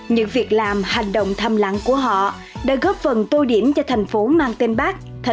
những việc làm hành động thăm lắng của họ đã góp phần tô điểm cho thành phố mang tên bắc